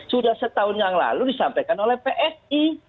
sudah setahun yang lalu disampaikan oleh psi